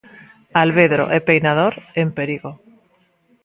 Alvedro e Peinador en perigo.